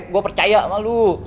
gua percaya sama lu